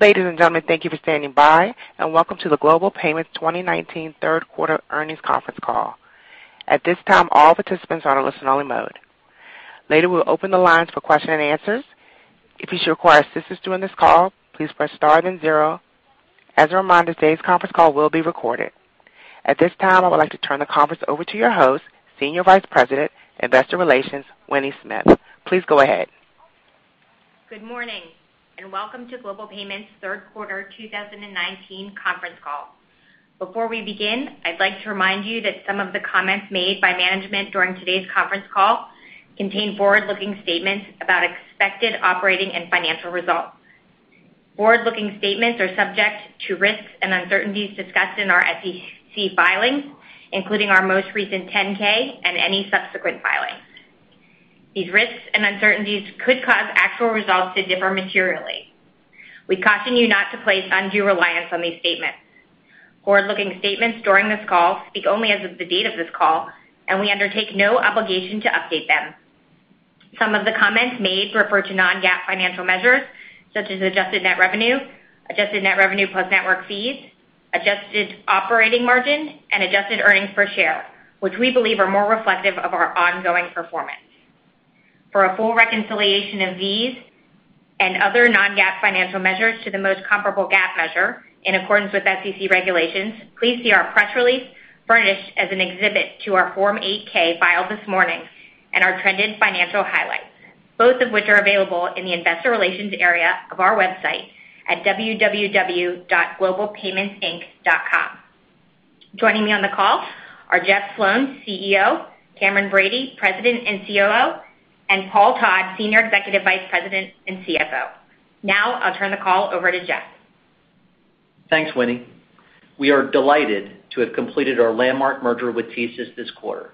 Ladies and gentlemen, thank you for standing by, welcome to the Global Payments 2019 third quarter earnings conference call. At this time, all participants are on a listen-only mode. Later, we'll open the lines for question and answers. If you should require assistance during this call, please press star then zero. As a reminder, today's conference call will be recorded. At this time, I would like to turn the conference over to your host, Senior Vice President, Investor Relations, Winnie Smith. Please go ahead. Good morning, and welcome to Global Payments' third quarter 2019 conference call. Before we begin, I'd like to remind you that some of the comments made by management during today's conference call contain forward-looking statements about expected operating and financial results. Forward-looking statements are subject to risks and uncertainties discussed in our SEC filings, including our most recent 10-K and any subsequent filings. These risks and uncertainties could cause actual results to differ materially. We caution you not to place undue reliance on these statements. Forward-looking statements during this call speak only as of the date of this call, and we undertake no obligation to update them. Some of the comments made refer to non-GAAP financial measures such as adjusted net revenue, adjusted net revenue plus network fees, adjusted operating margin, and adjusted earnings per share, which we believe are more reflective of our ongoing performance. For a full reconciliation of these and other non-GAAP financial measures to the most comparable GAAP measure in accordance with SEC regulations, please see our press release furnished as an exhibit to our Form 8-K filed this morning and our trended financial highlights, both of which are available in the investor relations area of our website at www.globalpaymentsinc.com. Joining me on the call are Jeff Sloan, CEO, Cameron Bready, President and COO, and Paul Todd, Senior Executive Vice President and CFO. Now I'll turn the call over to Jeff. Thanks, Winnie. We are delighted to have completed our landmark merger with TSYS this quarter,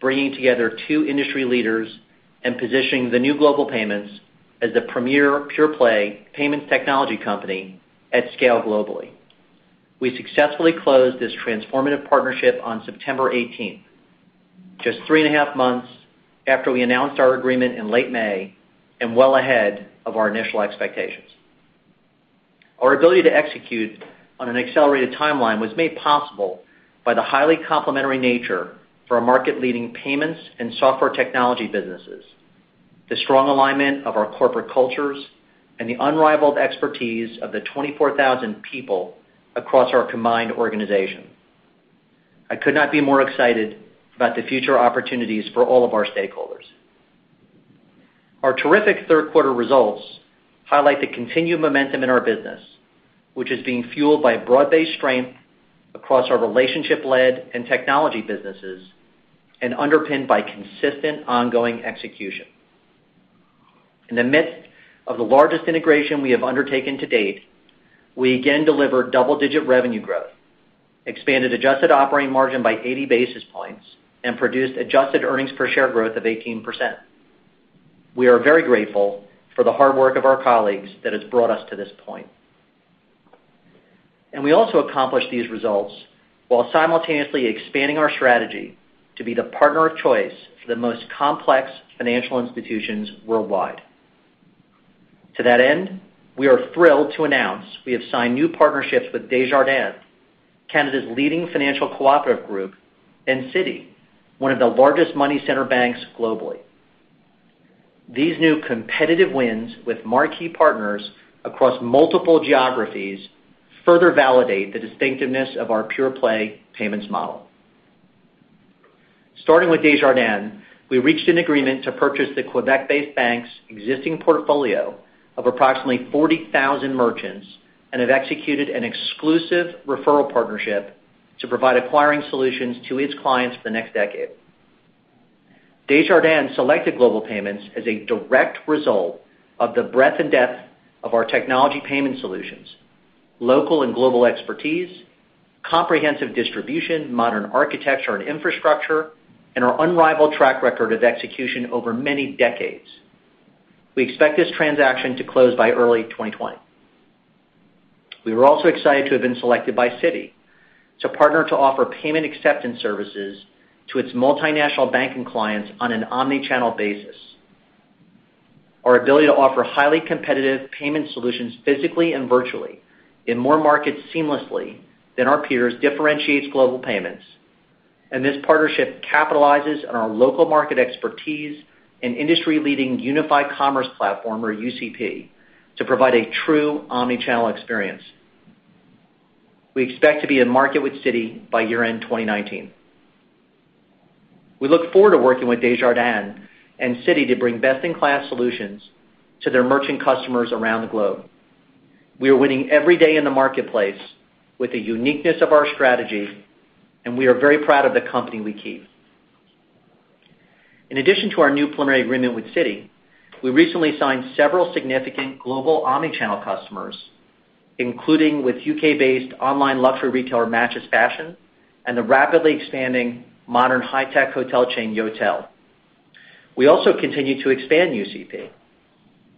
bringing together two industry leaders and positioning the new Global Payments as the premier pure-play payments technology company at scale globally. We successfully closed this transformative partnership on September 18th, just three and a half months after we announced our agreement in late May and well ahead of our initial expectations. Our ability to execute on an accelerated timeline was made possible by the highly complementary nature for our market-leading payments and software technology businesses, the strong alignment of our corporate cultures, and the unrivaled expertise of the 24,000 people across our combined organization. I could not be more excited about the future opportunities for all of our stakeholders. Our terrific third quarter results highlight the continued momentum in our business, which is being fueled by broad-based strength across our relationship-led and technology businesses and underpinned by consistent ongoing execution. In the midst of the largest integration we have undertaken to date, we again delivered double-digit revenue growth, expanded adjusted operating margin by 80 basis points, and produced adjusted earnings per share growth of 18%. We are very grateful for the hard work of our colleagues that has brought us to this point. We also accomplished these results while simultaneously expanding our strategy to be the partner of choice for the most complex financial institutions worldwide. To that end, we are thrilled to announce we have signed new partnerships with Desjardins, Canada's leading financial cooperative group, and Citi, one of the largest money center banks globally. These new competitive wins with marquee partners across multiple geographies further validate the distinctiveness of our pure-play payments model. Starting with Desjardins, we reached an agreement to purchase the Quebec-based bank's existing portfolio of approximately 40,000 merchants and have executed an exclusive referral partnership to provide acquiring solutions to its clients for the next decade. Desjardins selected Global Payments as a direct result of the breadth and depth of our technology payment solutions, local and global expertise, comprehensive distribution, modern architecture and infrastructure, and our unrivaled track record of execution over many decades. We expect this transaction to close by early 2020. We were also excited to have been selected by Citi to partner to offer payment acceptance services to its multinational banking clients on an omni-channel basis. Our ability to offer highly competitive payment solutions physically and virtually in more markets seamlessly than our peers differentiates Global Payments. This partnership capitalizes on our local market expertise and industry-leading unified commerce platform, or UCP, to provide a true omni-channel experience. We expect to be in market with Citi by year-end 2019. We look forward to working with Desjardins and Citi to bring best-in-class solutions to their merchant customers around the globe. We are winning every day in the marketplace with the uniqueness of our strategy. We are very proud of the company we keep. In addition to our new preliminary agreement with Citi, we recently signed several significant global omni-channel customers, including with U.K.-based online luxury retailer MatchesFashion and the rapidly expanding modern high-tech hotel chain Yotel. We also continue to expand UCP.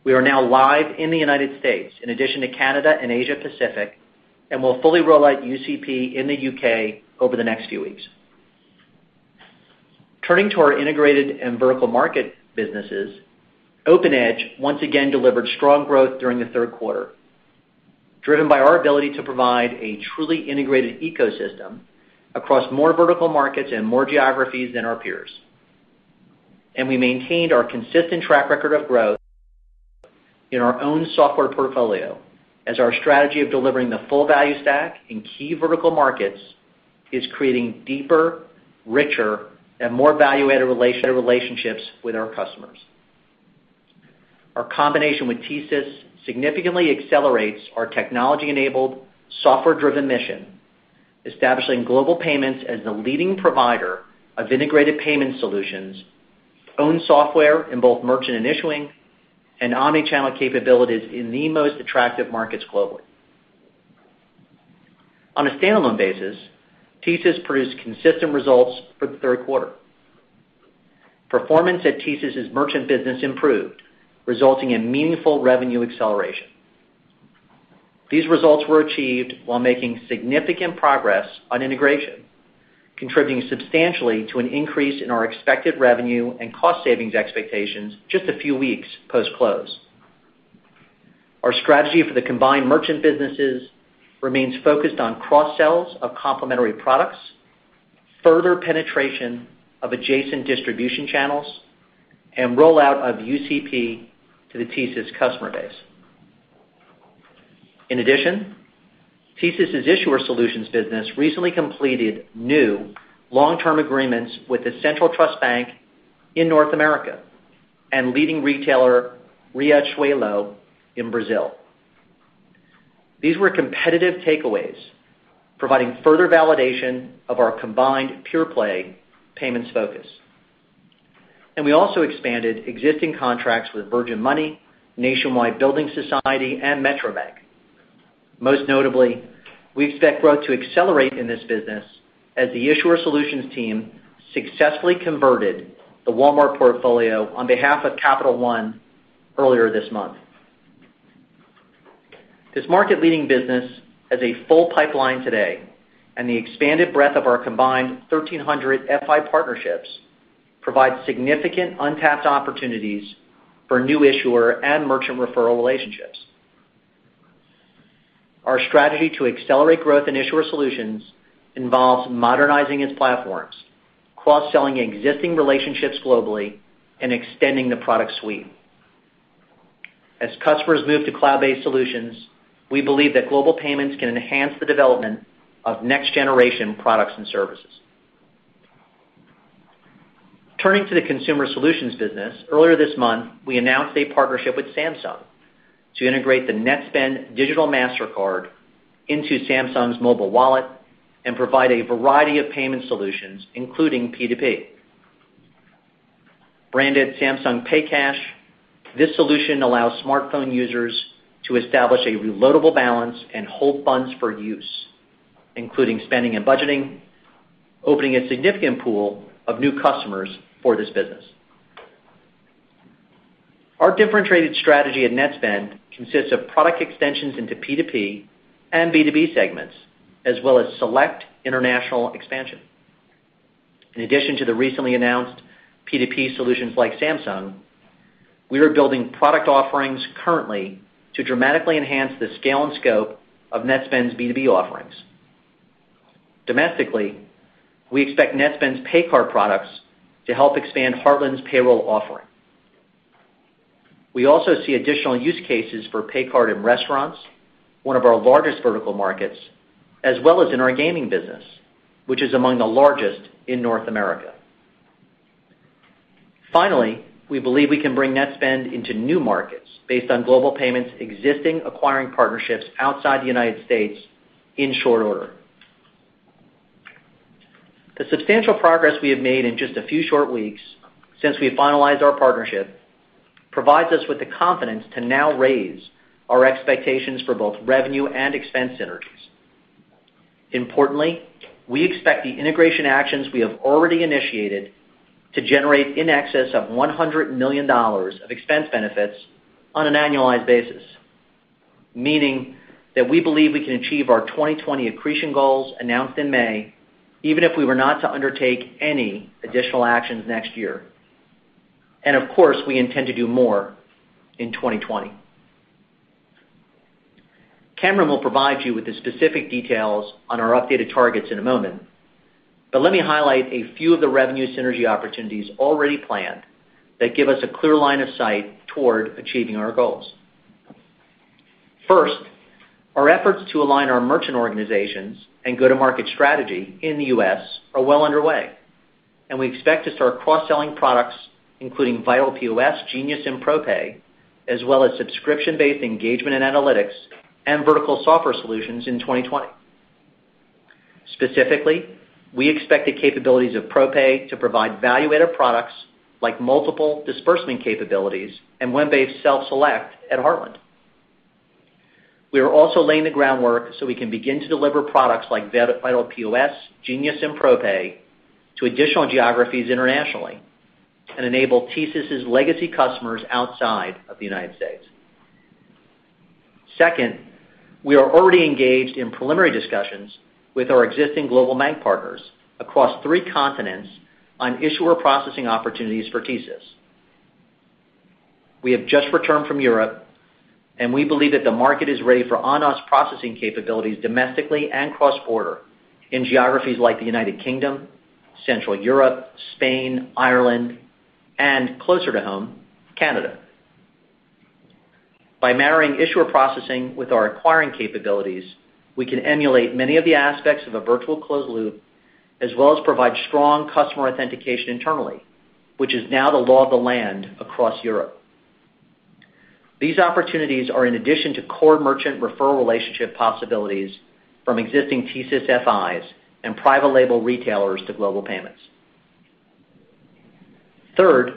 We are now live in the U.S. in addition to Canada and Asia Pacific, and we'll fully roll out UCP in the U.K. over the next few weeks. Turning to our integrated and vertical market businesses, OpenEdge once again delivered strong growth during the third quarter, driven by our ability to provide a truly integrated ecosystem across more vertical markets and more geographies than our peers. We maintained our consistent track record of growth in our own software portfolio as our strategy of delivering the full value stack in key vertical markets is creating deeper, richer, and more value-added relationships with our customers. Our combination with TSYS significantly accelerates our technology-enabled, software-driven mission, establishing Global Payments as the leading provider of integrated payment solutions, owned software in both merchant and issuing, and omni-channel capabilities in the most attractive markets globally. On a standalone basis, TSYS produced consistent results for the third quarter. Performance at TSYS's Merchant Solutions business improved, resulting in meaningful revenue acceleration. These results were achieved while making significant progress on integration, contributing substantially to an increase in our expected revenue and cost savings expectations just a few weeks post-close. Our strategy for the combined merchant businesses remains focused on cross-sells of complementary products, further penetration of adjacent distribution channels, and rollout of UCP to the TSYS customer base. In addition, TSYS' Issuer Solutions business recently completed new long-term agreements with the Central Trust Bank in North America and leading retailer, Via Varejo, in Brazil. These were competitive takeaways, providing further validation of our combined pure-play payments focus. We also expanded existing contracts with Virgin Money, Nationwide Building Society, and Metro Bank. Most notably, we expect growth to accelerate in this business as the Issuer Solutions team successfully converted the Walmart portfolio on behalf of Capital One earlier this month. This market-leading business has a full pipeline today, and the expanded breadth of our combined 1,300 FI partnerships provides significant untapped opportunities for new issuer and merchant referral relationships. Our strategy to accelerate growth in Issuer Solutions involves modernizing its platforms, cross-selling existing relationships globally, and extending the product suite. As customers move to cloud-based solutions, we believe that Global Payments can enhance the development of next-generation products and services. Turning to the Consumer Solutions business, earlier this month, we announced a partnership with Samsung to integrate the Netspend digital Mastercard into Samsung's mobile wallet and provide a variety of payment solutions, including P2P. Branded Samsung Pay Cash, this solution allows smartphone users to establish a reloadable balance and hold funds for use, including spending and budgeting, opening a significant pool of new customers for this business. Our differentiated strategy at Netspend consists of product extensions into P2P and B2B segments, as well as select international expansion. In addition to the recently announced P2P solutions like Samsung, we are building product offerings currently to dramatically enhance the scale and scope of Netspend's B2B offerings. Domestically, we expect Netspend's pay card products to help expand Heartland's payroll offering. We also see additional use cases for pay card in restaurants, one of our largest vertical markets, as well as in our gaming business, which is among the largest in North America. Finally, we believe we can bring Netspend into new markets based on Global Payments' existing acquiring partnerships outside the U.S. in short order. The substantial progress we have made in just a few short weeks since we finalized our partnership provides us with the confidence to now raise our expectations for both revenue and expense synergies. We expect the integration actions we have already initiated to generate in excess of $100 million of expense benefits on an annualized basis, meaning that we believe we can achieve our 2020 accretion goals announced in May, even if we were not to undertake any additional actions next year. Of course, we intend to do more in 2020. Cameron will provide you with the specific details on our updated targets in a moment, let me highlight a few of the revenue synergy opportunities already planned that give us a clear line of sight toward achieving our goals. First, our efforts to align our merchant organizations and go-to-market strategy in the U.S. are well underway. We expect to start cross-selling products including Vital POS, Genius, and ProPay, as well as subscription-based engagement and analytics and vertical software solutions in 2020. Specifically, we expect the capabilities of ProPay to provide value-added products like multiple disbursement capabilities and web-based self-select at Heartland. We are also laying the groundwork so we can begin to deliver products like Vital POS, Genius, and ProPay to additional geographies internationally and enable TSYS' legacy customers outside of the U.S. Second, we are already engaged in preliminary discussions with our existing global bank partners across three continents on issuer processing opportunities for TSYS. We have just returned from Europe. We believe that the market is ready for on-us processing capabilities domestically and cross-border in geographies like the U.K., Central Europe, Spain, Ireland, and closer to home, Canada. By marrying issuer processing with our acquiring capabilities, we can emulate many of the aspects of a virtual closed loop, as well as provide Strong Customer Authentication internally, which is now the law of the land across Europe. These opportunities are in addition to core merchant referral relationship possibilities from existing TSYS FIs and private label retailers to Global Payments. Third,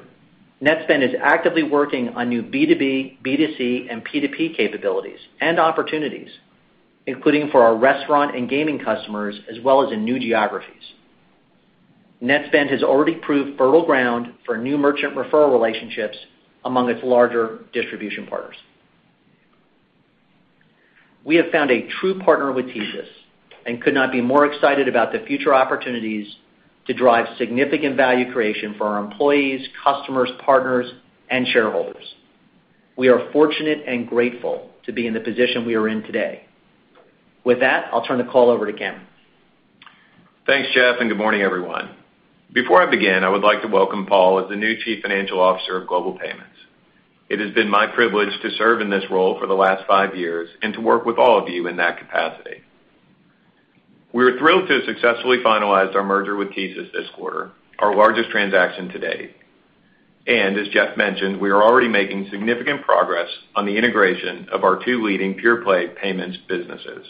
Netspend is actively working on new B2B, B2C, and P2P capabilities and opportunities, including for our restaurant and gaming customers, as well as in new geographies. Netspend has already proved fertile ground for new merchant referral relationships among its larger distribution partners. We have found a true partner with TSYS and could not be more excited about the future opportunities to drive significant value creation for our employees, customers, partners, and shareholders. We are fortunate and grateful to be in the position we are in today. With that, I'll turn the call over to Cameron. Thanks, Jeff. Good morning, everyone. Before I begin, I would like to welcome Paul as the new Chief Financial Officer of Global Payments. It has been my privilege to serve in this role for the last five years and to work with all of you in that capacity. We are thrilled to have successfully finalized our merger with TSYS this quarter, our largest transaction to date. As Jeff mentioned, we are already making significant progress on the integration of our two leading pure-play payments businesses.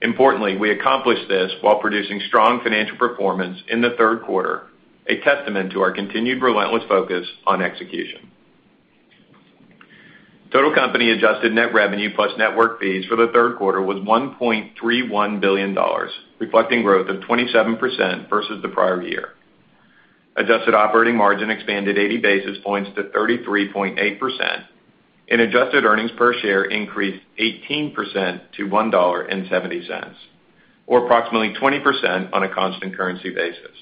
Importantly, we accomplished this while producing strong financial performance in the third quarter, a testament to our continued relentless focus on execution. Total company adjusted net revenue plus network fees for the third quarter was $1.31 billion, reflecting growth of 27% versus the prior year. Adjusted operating margin expanded 80 basis points to 33.8%, and adjusted earnings per share increased 18% to $1.70, or approximately 20% on a constant currency basis.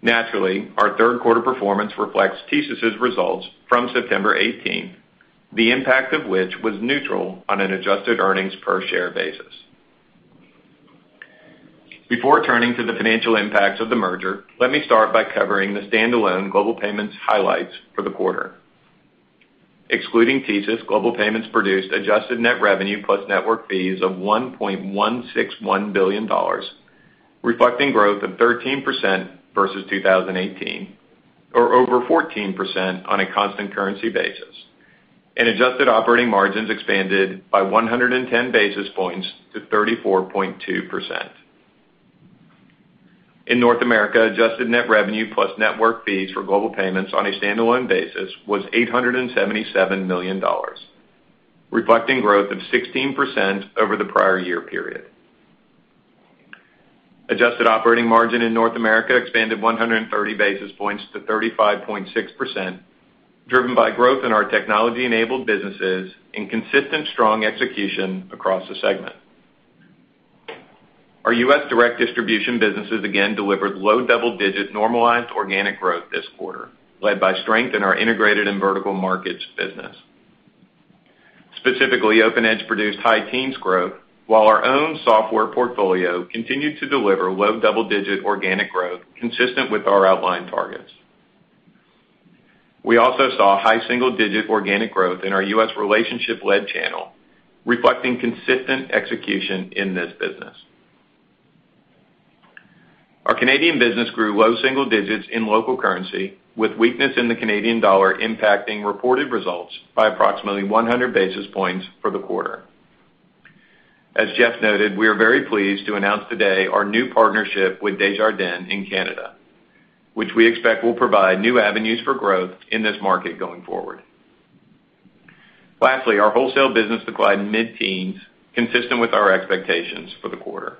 Naturally, our third quarter performance reflects TSYS' results from September 18th, the impact of which was neutral on an adjusted earnings per share basis. Before turning to the financial impacts of the merger, let me start by covering the standalone Global Payments highlights for the quarter. Excluding TSYS, Global Payments produced adjusted net revenue plus network fees of $1.161 billion, reflecting growth of 13% versus 2018, or over 14% on a constant currency basis. Adjusted operating margins expanded by 110 basis points to 34.2%. In North America, adjusted net revenue plus network fees for Global Payments on a standalone basis was $877 million, reflecting growth of 16% over the prior year period. Adjusted operating margin in North America expanded 130 basis points to 35.6%, driven by growth in our technology-enabled businesses and consistent strong execution across the segment. Our U.S. direct distribution businesses again delivered low double-digit normalized organic growth this quarter, led by strength in our integrated and vertical markets business. Specifically, OpenEdge produced high teens growth, while our own software portfolio continued to deliver low double-digit organic growth consistent with our outlined targets. We also saw high single-digit organic growth in our U.S. relationship-led channel, reflecting consistent execution in this business. Our Canadian business grew low single digits in local currency, with weakness in the Canadian dollar impacting reported results by approximately 100 basis points for the quarter. As Jeff noted, we are very pleased to announce today our new partnership with Desjardins in Canada, which we expect will provide new avenues for growth in this market going forward. Lastly, our wholesale business declined mid-teens, consistent with our expectations for the quarter.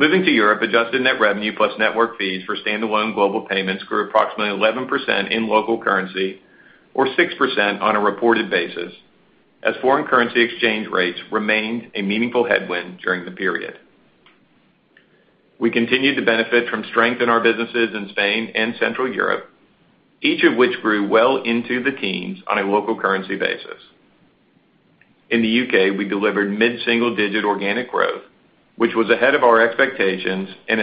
Moving to Europe, adjusted net revenue plus network fees for standalone Global Payments grew approximately 11% in local currency or 6% on a reported basis, as foreign currency exchange rates remained a meaningful headwind during the period. We continued to benefit from strength in our businesses in Spain and Central Europe, each of which grew well into the teens on a local currency basis. In the U.K., we delivered mid-single-digit organic growth, which was ahead of our expectations and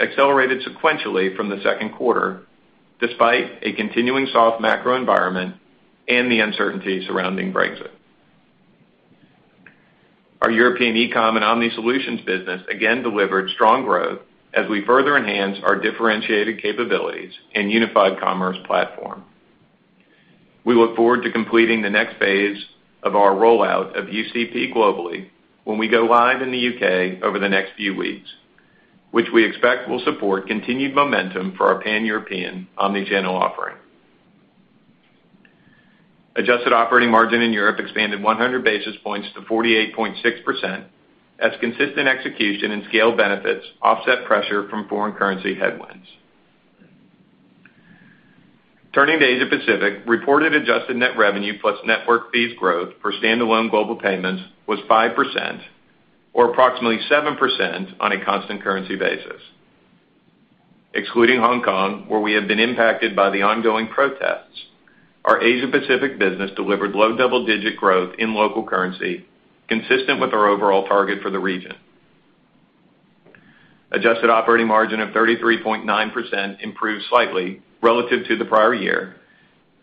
accelerated sequentially from the second quarter, despite a continuing soft macro environment and the uncertainty surrounding Brexit. Our European eCom and Omni solutions business again delivered strong growth as we further enhance our differentiated capabilities and unified commerce platform. We look forward to completing the next phase of our rollout of UCP globally when we go live in the U.K. over the next few weeks. Which we expect will support continued momentum for our Pan-European omni-channel offering. Adjusted operating margin in Europe expanded 100 basis points to 48.6%, as consistent execution and scale benefits offset pressure from foreign currency headwinds. Turning to Asia Pacific. Reported adjusted net revenue plus network fees growth for standalone Global Payments was 5%, or approximately 7% on a constant currency basis. Excluding Hong Kong, where we have been impacted by the ongoing protests, our Asia Pacific business delivered low double-digit growth in local currency, consistent with our overall target for the region. Adjusted operating margin of 33.9% improved slightly relative to the prior year,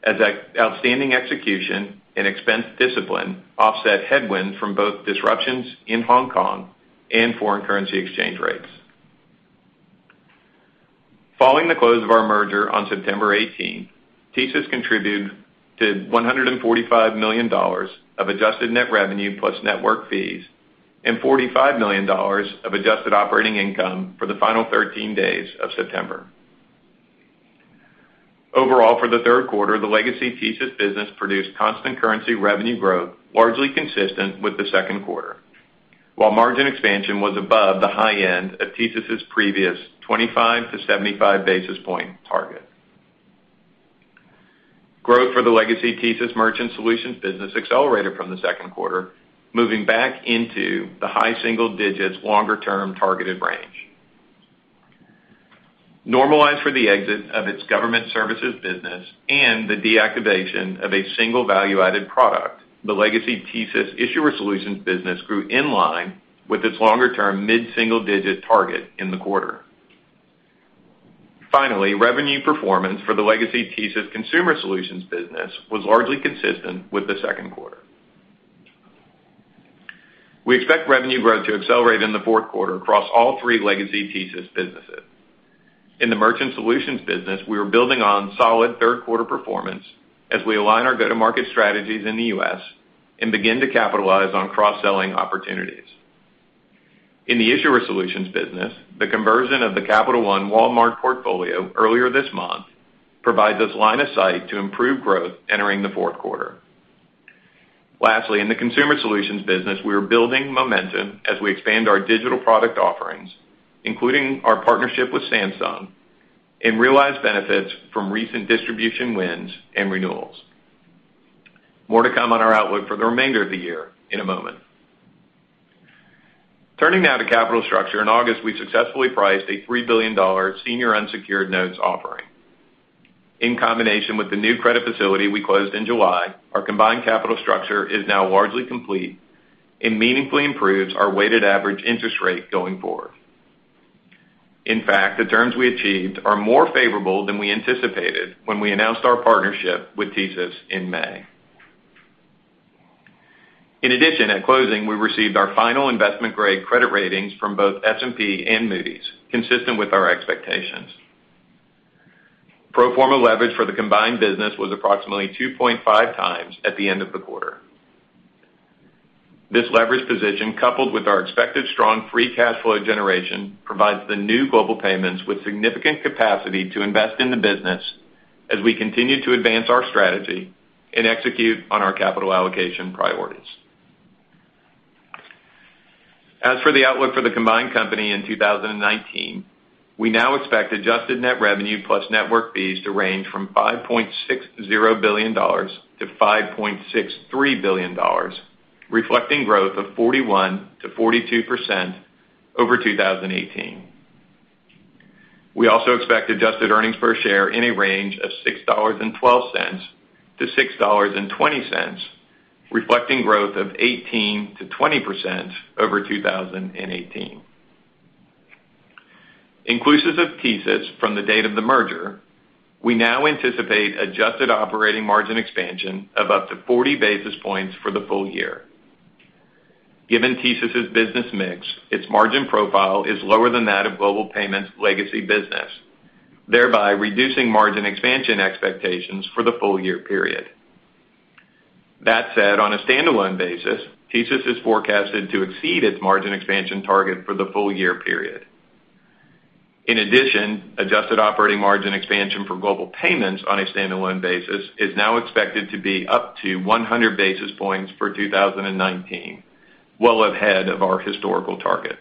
as outstanding execution and expense discipline offset headwinds from both disruptions in Hong Kong and foreign currency exchange rates. Following the close of our merger on September 18, TSYS contributed to $145 million of adjusted net revenue plus network fees and $45 million of adjusted operating income for the final 13 days of September. Overall, for the third quarter, the legacy TSYS business produced constant currency revenue growth largely consistent with the second quarter, while margin expansion was above the high end of TSYS' previous 25 to 75 basis point target. Growth for the legacy TSYS Merchant Solutions business accelerated from the second quarter, moving back into the high single digits longer-term targeted range. Normalized for the exit of its government services business and the deactivation of a single value-added product, the legacy TSYS Issuer Solutions business grew in line with its longer-term mid-single-digit target in the quarter. Finally, revenue performance for the legacy TSYS Consumer Solutions business was largely consistent with the second quarter. We expect revenue growth to accelerate in the fourth quarter across all three legacy TSYS businesses. In the Merchant Solutions business, we are building on solid third-quarter performance as we align our go-to-market strategies in the U.S. and begin to capitalize on cross-selling opportunities. In the Issuer Solutions business, the conversion of the Capital One Walmart portfolio earlier this month provides us line of sight to improve growth entering the fourth quarter. Lastly, in the Consumer Solutions business, we are building momentum as we expand our digital product offerings, including our partnership with Samsung, and realize benefits from recent distribution wins and renewals. More to come on our outlook for the remainder of the year in a moment. Turning now to capital structure. In August, we successfully priced a $3 billion senior unsecured notes offering. In combination with the new credit facility we closed in July, our combined capital structure is now largely complete and meaningfully improves our weighted average interest rate going forward. In fact, the terms we achieved are more favorable than we anticipated when we announced our partnership with TSYS in May. In addition, at closing, we received our final investment-grade credit ratings from both S&P and Moody's, consistent with our expectations. Pro forma leverage for the combined business was approximately 2.5 times at the end of the quarter. This leverage position, coupled with our expected strong free cash flow generation, provides the new Global Payments with significant capacity to invest in the business as we continue to advance our strategy and execute on our capital allocation priorities. As for the outlook for the combined company in 2019, we now expect adjusted net revenue plus network fees to range from $5.60 billion-$5.63 billion, reflecting growth of 41%-42% over 2018. We also expect adjusted earnings per share in a range of $6.12-$6.20, reflecting growth of 18%-20% over 2018. Inclusive of TSYS from the date of the merger, we now anticipate adjusted operating margin expansion of up to 40 basis points for the full year. Given TSYS's business mix, its margin profile is lower than that of Global Payments' legacy business, thereby reducing margin expansion expectations for the full year period. That said, on a standalone basis, TSYS is forecasted to exceed its margin expansion target for the full year period. In addition, adjusted operating margin expansion for Global Payments on a standalone basis is now expected to be up to 100 basis points for 2019, well ahead of our historical target.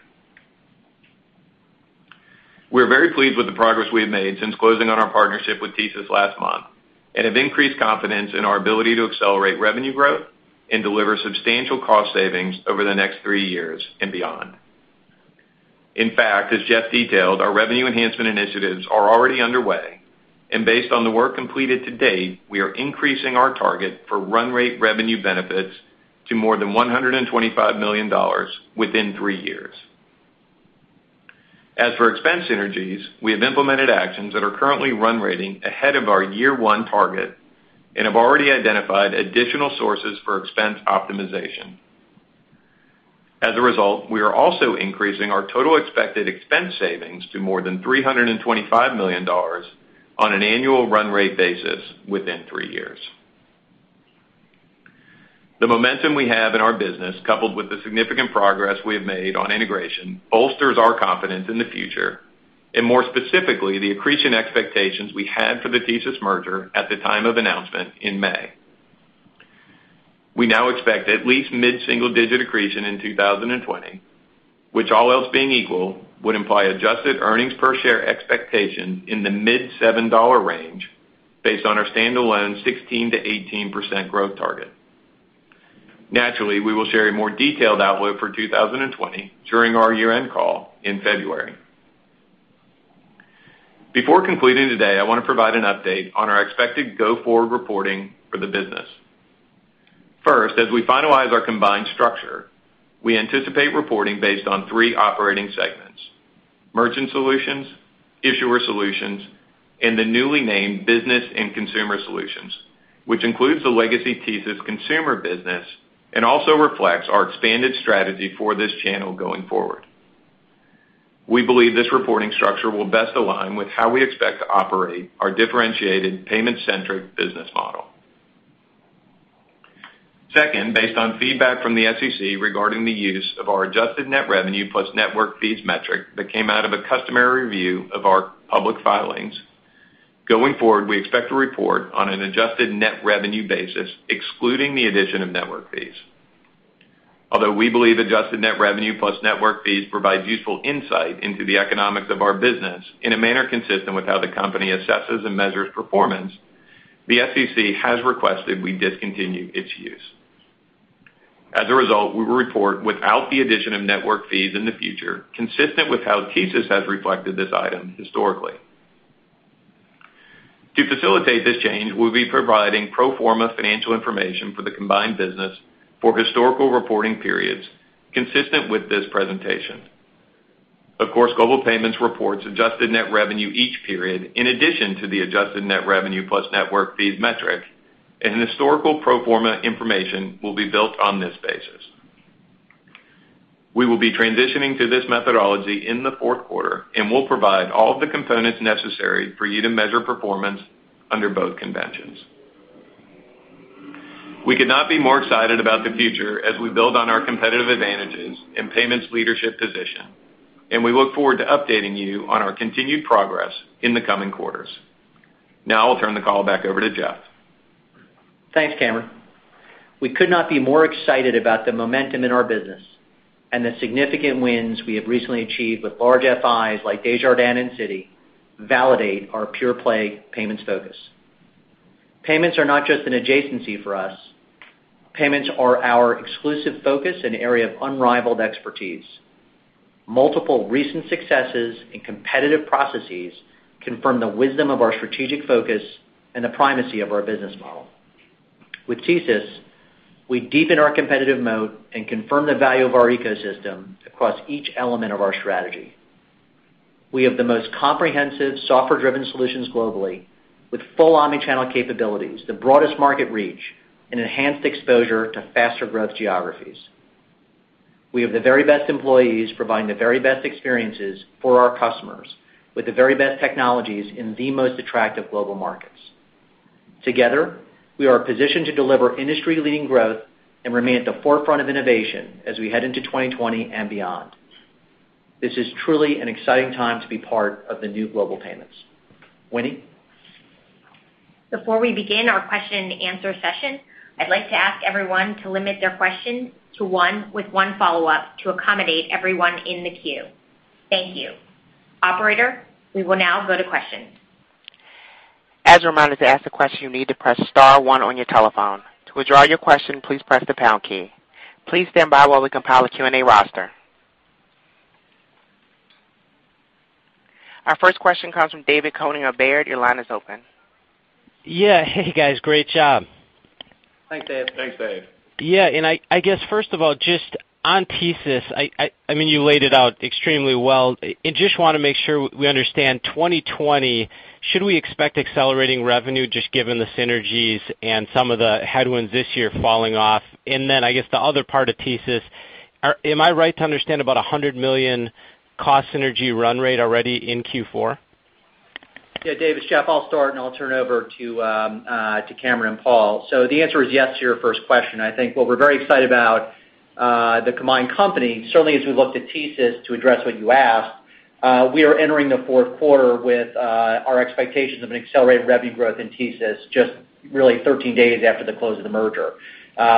We are very pleased with the progress we have made since closing on our partnership with TSYS last month and have increased confidence in our ability to accelerate revenue growth and deliver substantial cost savings over the next 3 years and beyond. As Jeff detailed, our revenue enhancement initiatives are already underway. Based on the work completed to date, we are increasing our target for run rate revenue benefits to more than $125 million within 3 years. As for expense synergies, we have implemented actions that are currently run rating ahead of our year one target and have already identified additional sources for expense optimization. As a result, we are also increasing our total expected expense savings to more than $325 million on an annual run rate basis within three years. The momentum we have in our business, coupled with the significant progress we have made on integration, bolsters our confidence in the future, and more specifically, the accretion expectations we had for the TSYS merger at the time of announcement in May. We now expect at least mid-single-digit accretion in 2020, which all else being equal, would imply adjusted earnings per share expectations in the mid-$7 range based on our standalone 16%-18% growth target. Naturally, we will share a more detailed outlook for 2020 during our year-end call in February. Before completing today, I want to provide an update on our expected go-forward reporting for the business. First, as we finalize our combined structure, we anticipate reporting based on three operating segments: Merchant Solutions, Issuer Solutions, and the newly named Business and Consumer Solutions, which includes the legacy TSYS consumer business and also reflects our expanded strategy for this channel going forward. Second, based on feedback from the SEC regarding the use of our adjusted net revenue plus network fees metric that came out of a customary review of our public filings, going forward, we expect to report on an adjusted net revenue basis, excluding the addition of network fees. We believe adjusted net revenue plus network fees provide useful insight into the economics of our business in a manner consistent with how the company assesses and measures performance, the SEC has requested we discontinue its use. As a result, we will report without the addition of network fees in the future, consistent with how TSYS has reflected this item historically. To facilitate this change, we'll be providing pro forma financial information for the combined business for historical reporting periods consistent with this presentation. Of course, Global Payments reports adjusted net revenue each period, in addition to the adjusted net revenue plus network fees metric, and historical pro forma information will be built on this basis. We will be transitioning to this methodology in the fourth quarter and will provide all the components necessary for you to measure performance under both conventions. We could not be more excited about the future as we build on our competitive advantages and payments leadership position, and we look forward to updating you on our continued progress in the coming quarters. I'll turn the call back over to Jeff. Thanks, Cameron. We could not be more excited about the momentum in our business, and the significant wins we have recently achieved with large FIs like Desjardins and Citi validate our pure-play payments focus. Payments are not just an adjacency for us. Payments are our exclusive focus and area of unrivaled expertise. Multiple recent successes in competitive processes confirm the wisdom of our strategic focus and the primacy of our business model. With TSYS, we deepen our competitive moat and confirm the value of our ecosystem across each element of our strategy. We have the most comprehensive software-driven solutions globally with full omni-channel capabilities, the broadest market reach, and enhanced exposure to faster growth geographies. We have the very best employees providing the very best experiences for our customers with the very best technologies in the most attractive global markets. Together, we are positioned to deliver industry-leading growth and remain at the forefront of innovation as we head into 2020 and beyond. This is truly an exciting time to be part of the new Global Payments. Winnie? Before we begin our question and answer session, I'd like to ask everyone to limit their questions to one with one follow-up to accommodate everyone in the queue. Thank you. Operator, we will now go to questions. As a reminder, to ask a question, you need to press star 1 on your telephone. To withdraw your question, please press the pound key. Please stand by while we compile a Q&A roster. Our first question comes from David Koning of Baird. Your line is open. Yeah. Hey, guys. Great job. Thanks, David. Thanks, David. Yeah. I guess first of all, just on TSYS, you laid it out extremely well. I just want to make sure we understand 2020. Should we expect accelerating revenue just given the synergies and some of the headwinds this year falling off? Then I guess the other part of TSYS, am I right to understand about $100 million cost synergy run rate already in Q4? Yeah, David, it's Jeff. I'll start, and I'll turn it over to Cameron and Paul. The answer is yes to your first question. I think what we're very excited about the combined company, certainly as we looked at TSYS to address what you asked, we are entering the fourth quarter with our expectations of an accelerated revenue growth in TSYS just really 13 days after the close of the merger.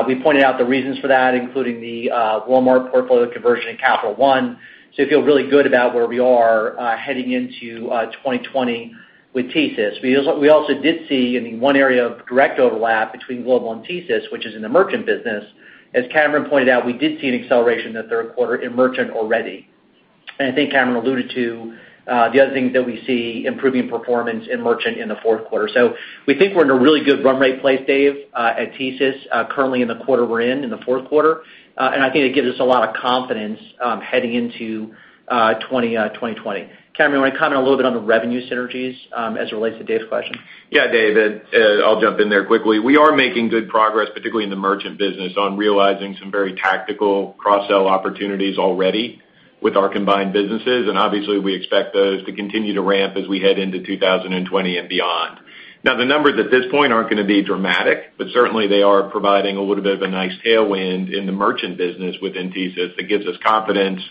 We pointed out the reasons for that, including the Walmart portfolio conversion and Capital One. We feel really good about where we are heading into 2020 with TSYS. We also did see in the one area of direct overlap between Global and TSYS, which is in the merchant business, as Cameron pointed out, we did see an acceleration in the third quarter in merchant already. I think Cameron alluded to the other things that we see improving performance in Merchant in the fourth quarter. We think we're in a really good run rate place, David, at TSYS currently in the quarter we're in the fourth quarter, and I think it gives us a lot of confidence heading into 2020. Cameron, you want to comment a little bit on the revenue synergies as it relates to David's question? Yeah, David, I'll jump in there quickly. We are making good progress, particularly in the merchant business, on realizing some very tactical cross-sell opportunities already. With our combined businesses, and obviously we expect those to continue to ramp as we head into 2020 and beyond. The numbers at this point aren't going to be dramatic, but certainly they are providing a little bit of a nice tailwind in the merchant business with TSYS that gives us confidence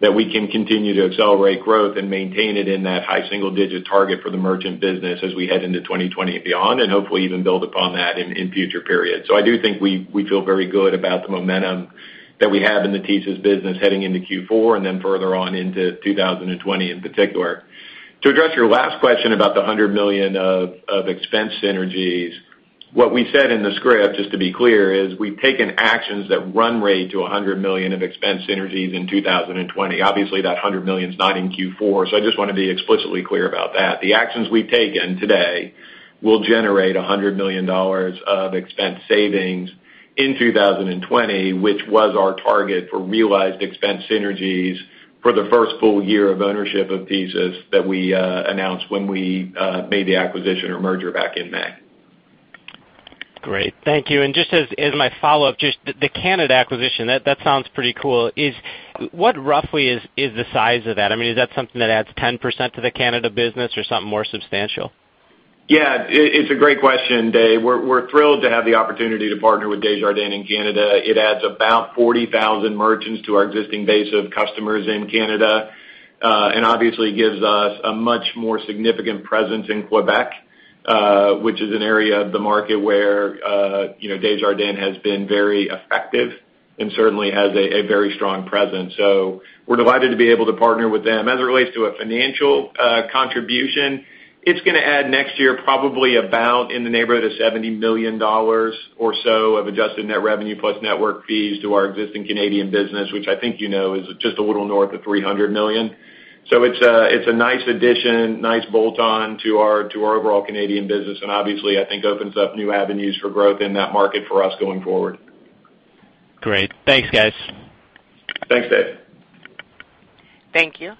that we can continue to accelerate growth and maintain it in that high single-digit target for the merchant business as we head into 2020 and beyond, and hopefully even build upon that in future periods. I do think we feel very good about the momentum that we have in the TSYS business heading into Q4 and then further on into 2020 in particular. To address your last question about the $100 million of expense synergies, what we said in the script, just to be clear, is we've taken actions that run rate to $100 million of expense synergies in 2020. Obviously, that $100 million is not in Q4, so I just want to be explicitly clear about that. The actions we've taken today will generate $100 million of expense savings in 2020, which was our target for realized expense synergies for the first full year of ownership of TSYS that we announced when we made the acquisition or merger back in May. Great. Thank you. Just as my follow-up, just the Canada acquisition, that sounds pretty cool. What roughly is the size of that? I mean, is that something that adds 10% to the Canada business or something more substantial? Yeah. It's a great question, David. We're thrilled to have the opportunity to partner with Desjardins in Canada. It adds about 40,000 merchants to our existing base of customers in Canada. Obviously gives us a much more significant presence in Quebec, which is an area of the market where Desjardins has been very effective and certainly has a very strong presence. We're delighted to be able to partner with them. As it relates to a financial contribution, it's going to add next year probably about in the neighborhood of $70 million or so of adjusted net revenue plus network fees to our existing Canadian business, which I think you know is just a little north of $300 million. It's a nice addition, nice bolt-on to our overall Canadian business, and obviously, I think opens up new avenues for growth in that market for us going forward. Great. Thanks, guys. Thanks, David. Thank you.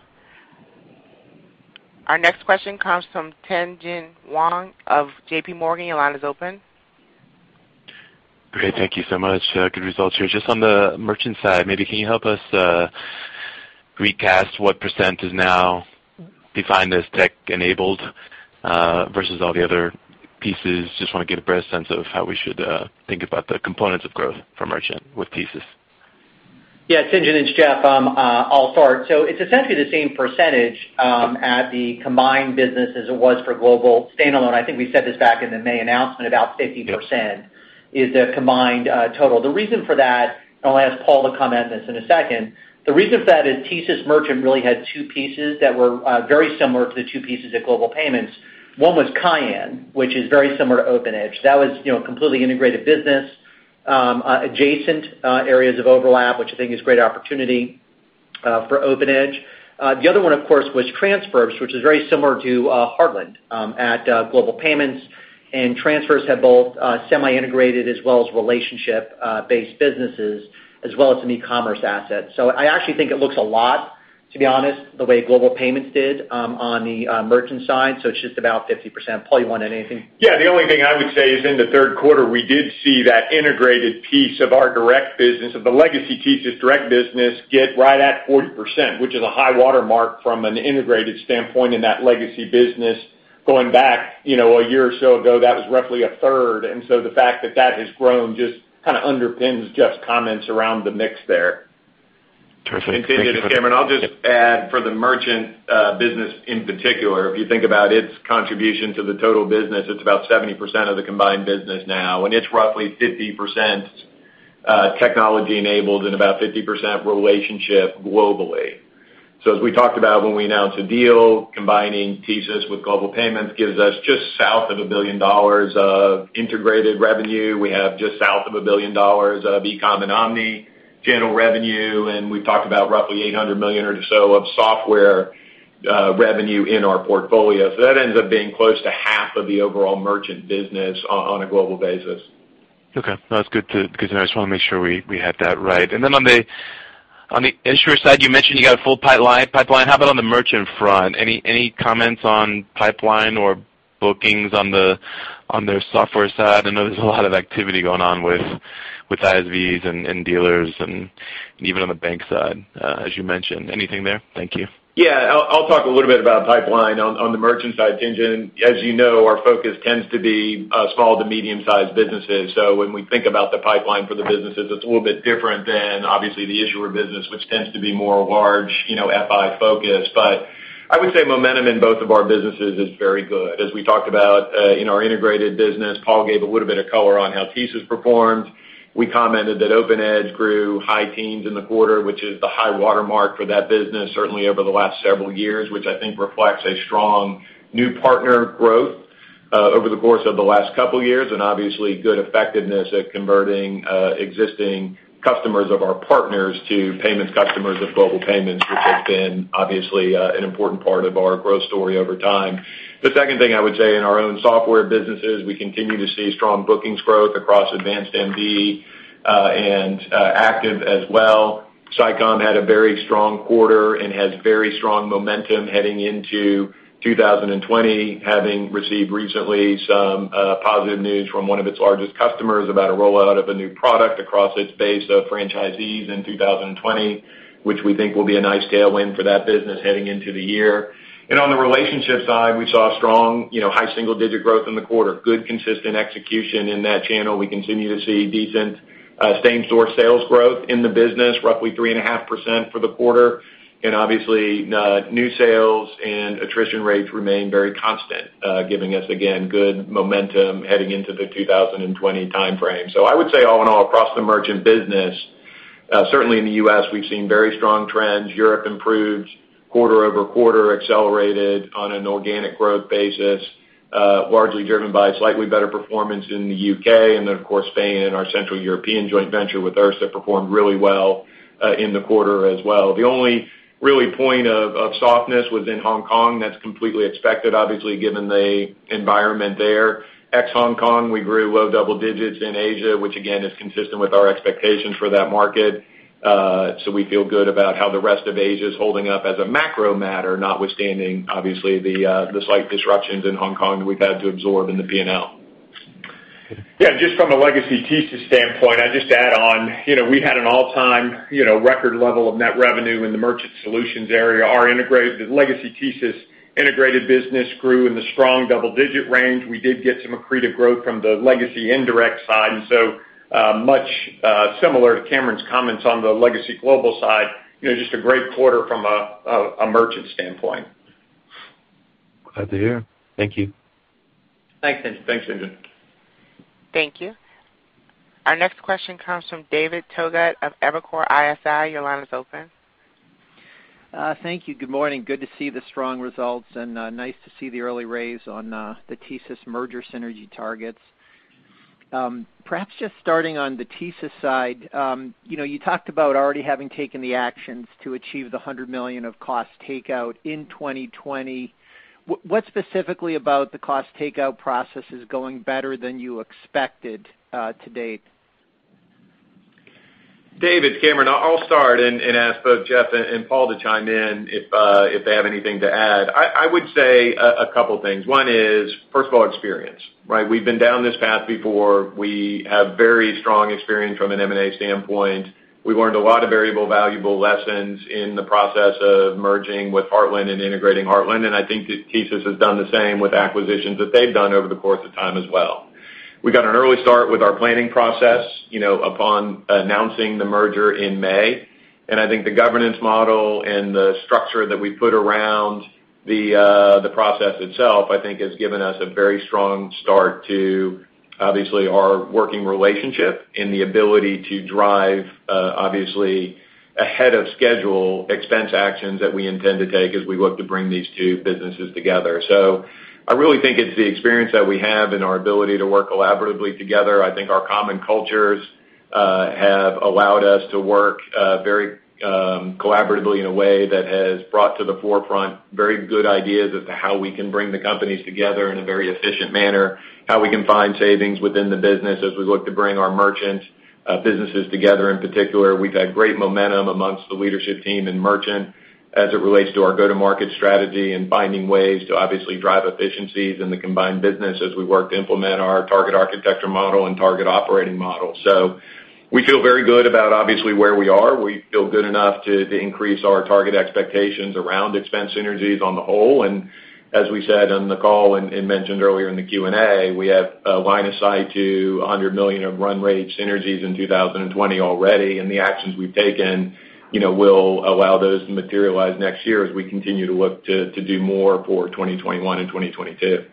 Our next question comes from Tien-Tsin Huang of JPMorgan. Your line is open. Great. Thank you so much. Good results here. Just on the Merchant side, maybe can you help us recast what % is now defined as tech-enabled versus all the other pieces? Just want to get a better sense of how we should think about the components of growth for Merchant with TSYS. Yeah, Tien-Tsin, it's Jeff. I'll start. It's essentially the same percentage at the combined business as it was for Global standalone. I think we said this back in the May announcement, about 50% is the combined total. The reason for that, and I'll ask Paul to comment on this in a second, the reason for that is TSYS Merchant really had two pieces that were very similar to the two pieces at Global Payments. One was Cayan, which is very similar to OpenEdge. That was a completely integrated business, adjacent areas of overlap, which I think is great opportunity for OpenEdge. The other one, of course, was TransFirst, which is very similar to Heartland at Global Payments, and TransFirst had both semi-integrated as well as relationship-based businesses, as well as some e-commerce assets. I actually think it looks a lot, to be honest, the way Global Payments did on the merchant side. It's just about 50%. Paul, you want to add anything? Yeah, the only thing I would say is in the third quarter, we did see that integrated piece of our direct business, of the legacy TSYS direct business, get right at 40%, which is a high watermark from an integrated standpoint in that legacy business going back a year or so ago. The fact that that has grown just kind of underpins Jeff's comments around the mix there. Terrific. Thanks. Tien-Tsin, it's Cameron. I'll just add for the Merchant Solutions business in particular, if you think about its contribution to the total business, it's about 70% of the combined business now. It's roughly 50% technology-enabled and about 50% relationship globally. As we talked about when we announced the deal, combining TSYS with Global Payments gives us just south of $1 billion of integrated revenue. We have just south of $1 billion of e-commerce and omnichannel revenue, and we've talked about roughly $800 million or so of software revenue in our portfolio. That ends up being close to half of the overall Merchant Solutions business on a global basis. Okay. No, that's good. I just want to make sure we had that right. On the issuer side, you mentioned you got a full pipeline. How about on the merchant front? Any comments on pipeline or bookings on their software side? I know there's a lot of activity going on with ISVs and dealers and even on the bank side as you mentioned. Anything there? Thank you. Yeah. I'll talk a little bit about pipeline on the merchant side, Tien-Tsin. As you know, our focus tends to be small to medium-sized businesses. When we think about the pipeline for the businesses, it's a little bit different than obviously the issuer business, which tends to be more large FI focused. I would say momentum in both of our businesses is very good. As we talked about in our integrated business, Paul gave a little bit of color on how TSYS performed. We commented that OpenEdge grew high teens in the quarter, which is the high watermark for that business certainly over the last several years, which I think reflects a strong new partner growth over the course of the last couple of years and obviously good effectiveness at converting existing customers of our partners to payments customers of Global Payments, which has been obviously an important part of our growth story over time. The second thing I would say in our own software businesses, we continue to see strong bookings growth across AdvancedMD and ACTIVE Network as well. Sitecom had a very strong quarter and has very strong momentum heading into 2020, having received recently some positive news from one of its largest customers about a rollout of a new product across its base of franchisees in 2020, which we think will be a nice tailwind for that business heading into the year. On the relationship side, we saw strong high single-digit growth in the quarter. Good, consistent execution in that channel. We continue to see decent same-store sales growth in the business, roughly 3.5% for the quarter. Obviously, new sales and attrition rates remain very constant, giving us, again, good momentum heading into the 2020 timeframe. I would say all in all, across the merchant business, certainly in the U.S., we've seen very strong trends. Europe improved quarter-over-quarter, accelerated on an organic growth basis, largely driven by slightly better performance in the U.K., and then, of course, Spain and our Central European joint venture with Erste performed really well in the quarter as well. The only really point of softness was in Hong Kong. That's completely expected, obviously, given the environment there. Ex-Hong Kong, we grew low double digits in Asia, which again, is consistent with our expectations for that market. We feel good about how the rest of Asia is holding up as a macro matter, notwithstanding, obviously, the slight disruptions in Hong Kong that we've had to absorb in the P&L. Yeah. Just from a legacy TSYS standpoint, I'd just add on, we had an all-time record level of net revenue in the Merchant Solutions area. Our legacy TSYS integrated business grew in the strong double-digit range. We did get some accretive growth from the legacy indirect side. Much similar to Cameron's comments on the legacy Global side, just a great quarter from a merchant standpoint. Glad to hear. Thank you. Thanks, Tien-Tsin. Thanks, Henry. Thank you. Our next question comes from David Togut of Evercore ISI. Your line is open. Thank you. Good morning. Good to see the strong results, and nice to see the early raise on the TSYS merger synergy targets. Perhaps just starting on the TSYS side. You talked about already having taken the actions to achieve the $100 million of cost takeout in 2020. What specifically about the cost takeout process is going better than you expected to date? David, Cameron, I'll start and ask both Jeff and Paul to chime in if they have anything to add. I would say a couple things. One is, first of all, experience, right? We've been down this path before. We have very strong experience from an M&A standpoint. We've learned a lot of variable valuable lessons in the process of merging with Heartland and integrating Heartland. I think that TSYS has done the same with acquisitions that they've done over the course of time as well. We got an early start with our planning process upon announcing the merger in May. I think the governance model and the structure that we put around the process itself, I think, has given us a very strong start to, obviously, our working relationship and the ability to drive, obviously, ahead of schedule expense actions that we intend to take as we look to bring these two businesses together. I really think it's the experience that we have and our ability to work collaboratively together. I think our common cultures have allowed us to work very collaboratively in a way that has brought to the forefront very good ideas as to how we can bring the companies together in a very efficient manner, how we can find savings within the business as we look to bring our merchant businesses together. In particular, we've had great momentum amongst the leadership team and Merchant Solutions as it relates to our go-to-market strategy and finding ways to obviously drive efficiencies in the combined business as we work to implement our target architecture model and target operating model. We feel very good about obviously where we are. We feel good enough to increase our target expectations around expense synergies on the whole. As we said on the call and mentioned earlier in the Q&A, we have a line of sight to $100 million of run rate synergies in 2020 already, and the actions we've taken will allow those to materialize next year as we continue to look to do more for 2021 and 2022.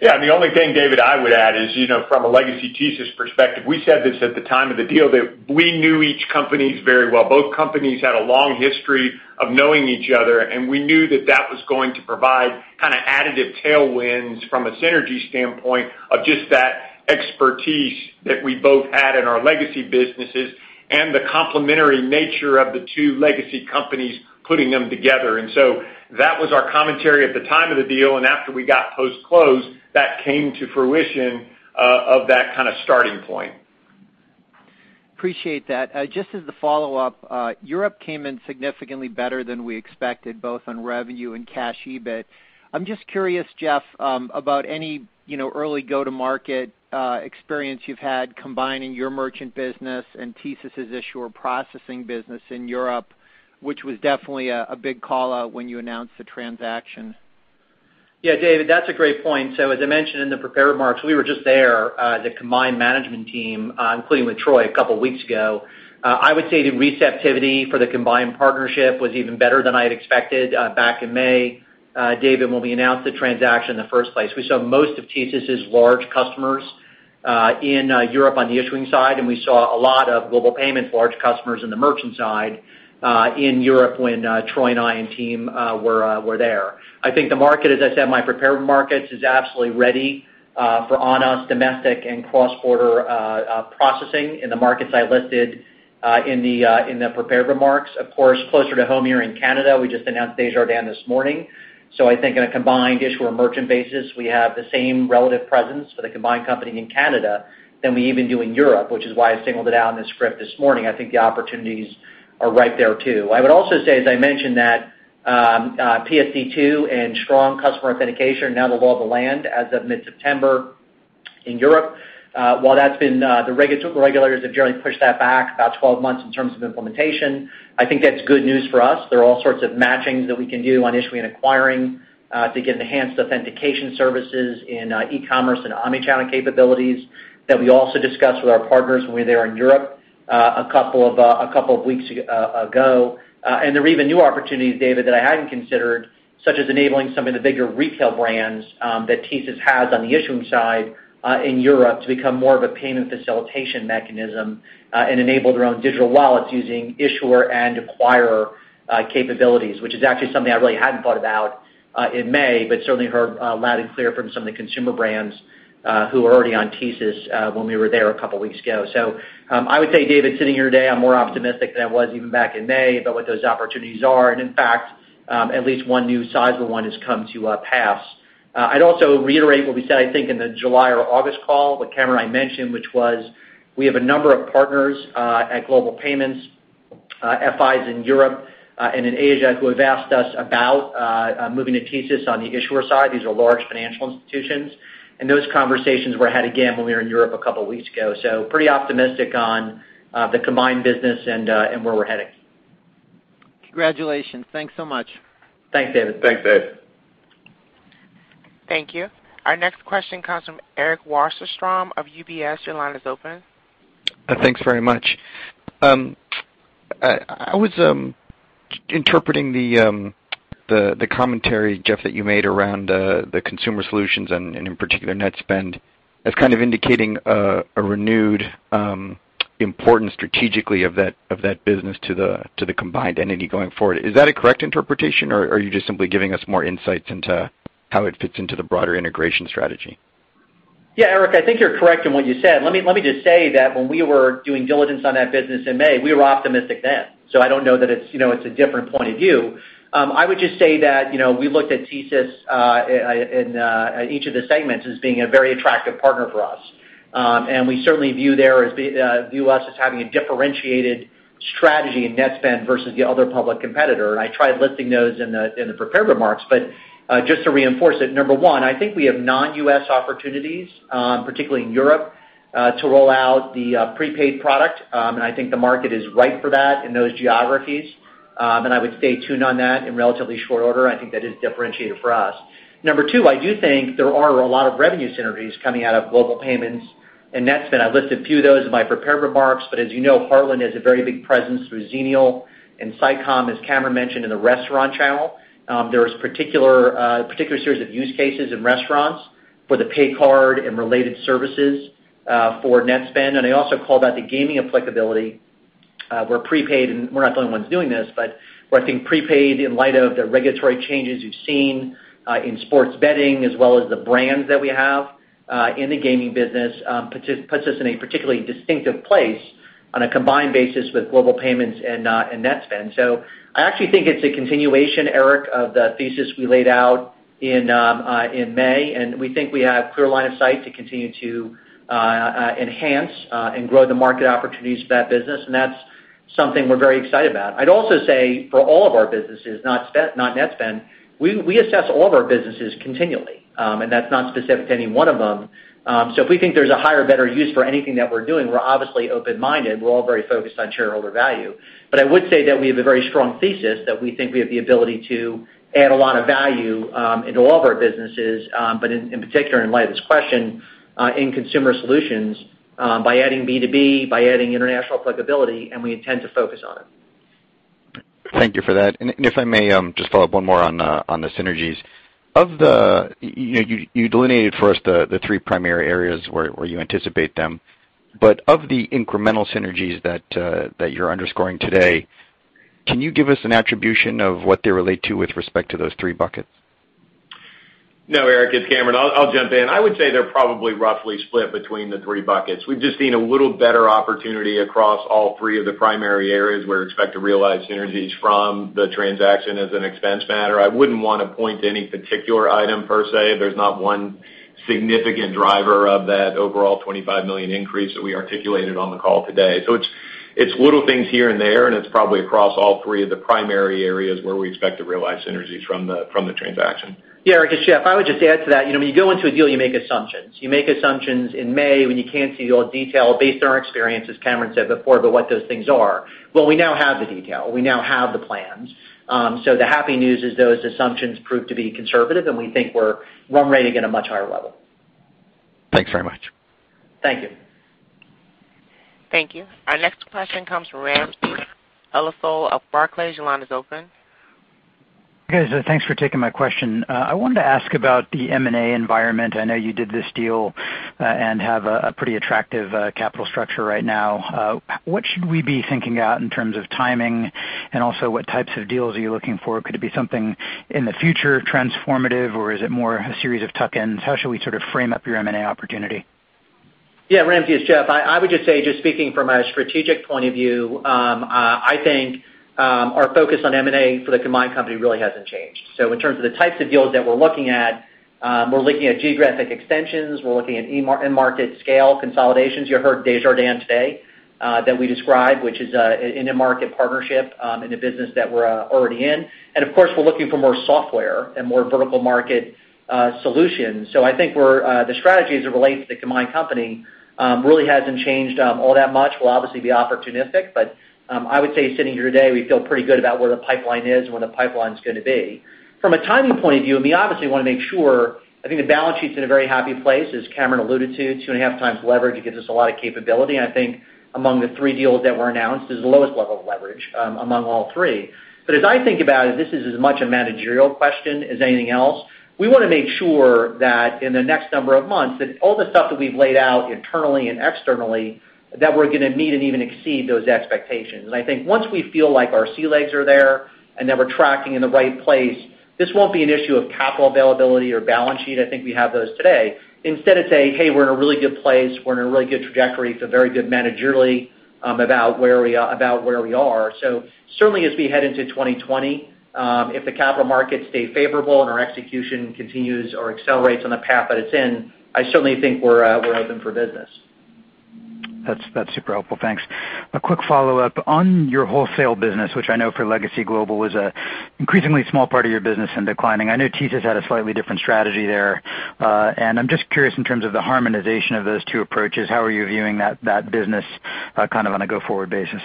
The only thing, David, I would add is from a legacy TSYS perspective, we said this at the time of the deal, that we knew each company very well. Both companies had a long history of knowing each other, and we knew that that was going to provide additive tailwinds from a synergy standpoint of just that expertise that we both had in our legacy businesses and the complementary nature of the two legacy companies putting them together. That was our commentary at the time of the deal, and after we got post-closed, that came to fruition of that kind of starting point. Appreciate that. Just as the follow-up, Europe came in significantly better than we expected, both on revenue and cash EBIT. I'm just curious, Jeff, about any early go-to-market experience you've had combining your merchant business and TSYS's issuer processing business in Europe, which was definitely a big call-out when you announced the transaction. Yeah, David, that's a great point. As I mentioned in the prepared remarks, we were just there, the combined management team, including with Troy, a couple weeks ago. I would say the receptivity for the combined partnership was even better than I had expected back in May, David, when we announced the transaction in the first place. We saw most of TSYS's large customers in Europe on the issuing side, and we saw a lot of Global Payments' large customers in the merchant side in Europe when Troy and I and team were there. I think the market, as I said in my prepared remarks, is absolutely ready for on-us domestic and cross-border processing in the markets I listed in the prepared remarks. Of course, closer to home here in Canada, we just announced Desjardins this morning. I think on a combined issuer-merchant basis, we have the same relative presence for the combined company in Canada than we even do in Europe, which is why I singled it out in the script this morning. I think the opportunities are right there too. I would also say, as I mentioned, that PSD2 and Strong Customer Authentication are now the law of the land as of mid-September in Europe. While the regulators have generally pushed that back about 12 months in terms of implementation, I think that's good news for us. There are all sorts of matchings that we can do on issuing and acquiring to get enhanced authentication services in e-commerce and omnichannel capabilities that we also discussed with our partners when we were in Europe a couple of weeks ago. There are even new opportunities, David, that I hadn't considered, such as enabling some of the bigger retail brands that TSYS has on the issuing side in Europe to become more of a payment facilitation mechanism and enable their own digital wallets using issuer and acquirer capabilities. Which is actually something I really hadn't thought about in May, but certainly heard loud and clear from some of the consumer brands who were already on TSYS when we were there a couple of weeks ago. I would say, David, sitting here today, I'm more optimistic than I was even back in May about what those opportunities are. In fact, at least one new sizable one has come to pass. I'd also reiterate what we said, I think, in the July or August call, what Cameron mentioned, which was we have a number of partners at Global Payments, FIs in Europe and in Asia, who have asked us about moving to TSYS on the issuer side. These are large financial institutions, and those conversations were had again when we were in Europe a couple of weeks ago. Pretty optimistic on the combined business and where we're heading. Congratulations. Thanks so much. Thanks, David. Thanks, David. Thank you. Our next question comes from Eric Wasserstrom of UBS. Your line is open. Thanks very much. I was interpreting the commentary, Jeff, that you made around the Consumer Solutions and in particular Netspend, as kind of indicating a renewed importance strategically of that business to the combined entity going forward. Is that a correct interpretation, or are you just simply giving us more insights into how it fits into the broader integration strategy? Yeah, Eric, I think you're correct in what you said. Let me just say that when we were doing diligence on that business in May, we were optimistic then. I don't know that it's a different point of view. I would just say that we looked at TSYS in each of the segments as being a very attractive partner for us. We certainly view us as having a differentiated strategy in Netspend versus the other public competitor. I tried listing those in the prepared remarks, but just to reinforce it, number one, I think we have non-U.S. opportunities, particularly in Europe, to roll out the prepaid product. I think the market is right for that in those geographies. I would stay tuned on that in relatively short order. I think that is differentiated for us. Number 2, I do think there are a lot of revenue synergies coming out of Global Payments and Netspend. I listed a few of those in my prepared remarks, but as you know, Heartland has a very big presence through Xenial and Sitecom, as Cameron mentioned, in the restaurant channel. There is particular series of use cases in restaurants for the pay card and related services for Netspend. I also called out the gaming applicability where prepaid, and we're not the only ones doing this, but where I think prepaid in light of the regulatory changes we've seen in sports betting as well as the brands that we have in the gaming business puts us in a particularly distinctive place on a combined basis with Global Payments and Netspend. I actually think it's a continuation, Eric, of the thesis we laid out in May. We think we have clear line of sight to continue to enhance and grow the market opportunities for that business. That's something we're very excited about. I'd also say for all of our businesses, not Netspend, we assess all of our businesses continually. That's not specific to any one of them. If we think there's a higher, better use for anything that we're doing, we're obviously open-minded. We're all very focused on shareholder value. I would say that we have a very strong thesis that we think we have the ability to add a lot of value into all of our businesses, but in particular, in light of this question, in Consumer Solutions, by adding B2B, by adding international applicability. We intend to focus on it. Thank you for that. If I may just follow up one more on the synergies. You delineated for us the three primary areas where you anticipate them, but of the incremental synergies that you're underscoring today, can you give us an attribution of what they relate to with respect to those three buckets? No, Eric, it's Cameron. I'll jump in. I would say they're probably roughly split between the three buckets. We've just seen a little better opportunity across all three of the primary areas where we expect to realize synergies from the transaction as an expense matter. I wouldn't want to point to any particular item per se. There's not one significant driver of that overall $25 million increase that we articulated on the call today. It's little things here and there, and it's probably across all three of the primary areas where we expect to realize synergies from the transaction. Yeah, Eric, it's Jeff. I would just add to that, when you go into a deal, you make assumptions. You make assumptions in May when you can't see all detail based on our experience, as Cameron said before, but what those things are. Well, we now have the detail. We now have the plans. The happy news is those assumptions prove to be conservative, and we think we're run rating at a much higher level. Thanks very much. Thank you. Thank you. Our next question comes from Ramsey El-Assal of Barclays. Your line is open. Okay. Thanks for taking my question. I wanted to ask about the M&A environment. I know you did this deal and have a pretty attractive capital structure right now. What should we be thinking out in terms of timing, and also what types of deals are you looking for? Could it be something in the future transformative, or is it more a series of tuck-ins? How should we sort of frame up your M&A opportunity? Yeah, Ramsey, it's Jeff. I would just say, just speaking from a strategic point of view, I think our focus on M&A for the combined company really hasn't changed. In terms of the types of deals that we're looking at, we're looking at geographic extensions. We're looking at end-market scale consolidations. You heard Desjardins today that we described, which is an end-market partnership in a business that we're already in. Of course, we're looking for more software and more vertical market solutions. I think the strategies that relate to the combined company really hasn't changed all that much. We'll obviously be opportunistic, I would say sitting here today, we feel pretty good about where the pipeline is and where the pipeline's going to be. From a timing point of view, we obviously want to make sure, I think the balance sheet's in a very happy place, as Cameron alluded to, 2.5 times leverage. It gives us a lot of capability. I think among the three deals that were announced, this is the lowest level of leverage among all three. As I think about it, this is as much a managerial question as anything else. We want to make sure that in the next number of months, that all the stuff that we've laid out internally and externally, that we're going to meet and even exceed those expectations. I think once we feel like our sea legs are there and that we're tracking in the right place, this won't be an issue of capital availability or balance sheet. I think we have those today. Instead, it's a, "Hey, we're in a really good place. We're in a really good trajectory, feel very good managerially about where we are." Certainly, as we head into 2020, if the capital markets stay favorable and our execution continues or accelerates on the path that it's in, I certainly think we're open for business. That's super helpful. Thanks. A quick follow-up. On your wholesale business, which I know for Legacy Global was an increasingly small part of your business and declining. I know TSYS had a slightly different strategy there. I'm just curious in terms of the harmonization of those two approaches, how are you viewing that business kind of on a go-forward basis?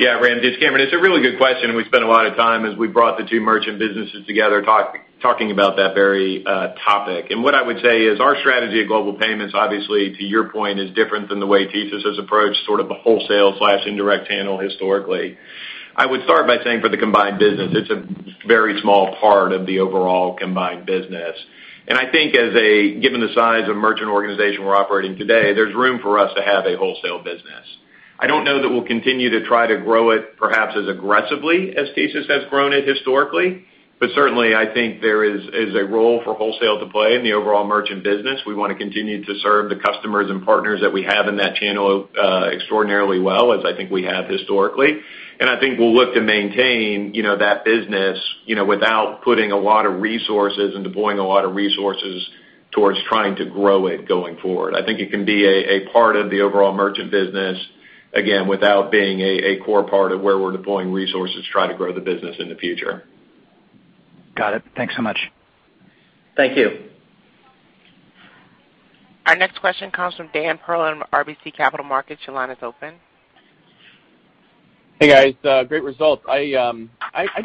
Yeah, Ram, it's Cameron. It's a really good question, and we spent a lot of time as we brought the two Merchant Solutions businesses together talking about that very topic. What I would say is our strategy at Global Payments, obviously, to your point, is different than the way TSYS has approached sort of the wholesale/indirect channel historically. I would start by saying for the combined business, it's a very small part of the overall combined business. I think given the size of merchant organization we're operating today, there's room for us to have a wholesale business. I don't know that we'll continue to try to grow it perhaps as aggressively as TSYS has grown it historically, but certainly, I think there is a role for wholesale to play in the overall Merchant Solutions business. We want to continue to serve the customers and partners that we have in that channel extraordinarily well, as I think we have historically. I think we'll look to maintain that business without putting a lot of resources and deploying a lot of resources towards trying to grow it going forward. I think it can be a part of the overall merchant business, again, without being a core part of where we're deploying resources to try to grow the business in the future. Got it. Thanks so much. Thank you. Our next question comes from Dan Perlin at RBC Capital Markets. Your line is open. Hey, guys. Great results. I